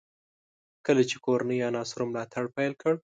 کله چې کورنیو عناصرو ملاتړ پیل کړ.